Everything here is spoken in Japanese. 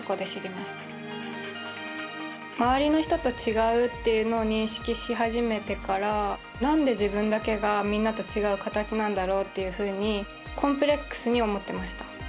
まわりの人と違うっていうのを認識しはじめてから何で自分だけが、みんなと違うかたちなんだろうっていうふうにコンプレックスに思ってました。